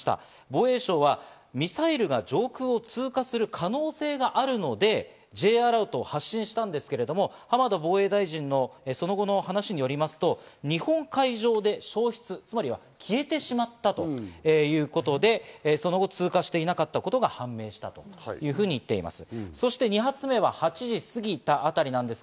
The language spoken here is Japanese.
防衛省はミサイルが上空を通過する可能性があるので、Ｊアラートを発信したんですけど、浜田防衛大臣のその後の話によりますと、日本海上で消失、つまりは消えてしまったということで、その後、通過していなかったことが判明したというふうに言っています。